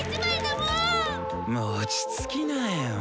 もー落ち着きなよ。